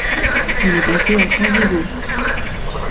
Il est basé à San Diego.